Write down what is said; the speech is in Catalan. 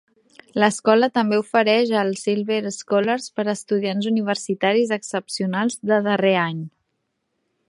L'escola també ofereix el Silver Scholars per a estudiants universitaris excepcionals de darrer any.